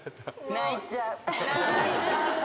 泣いちゃう。